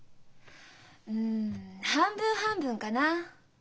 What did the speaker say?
うん半分半分かな。